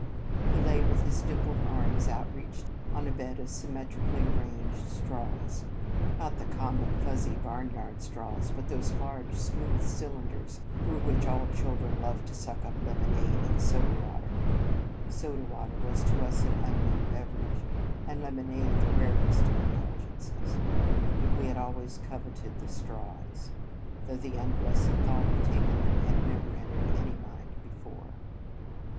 He lay with his dimpled arms outstretched on a bed In Our Convent Days of symmetrically arranged straws; not the common, fuzzy, barnyard straws, but those large, smooth cylinders, through which all children love to suck up lemonade and soda water. Soda water was to us an unknown beverage, and lemonade the rarest of indulgences; but we had always cov eted the straws, though the unblessed thought of taking them had never en tered any mind before.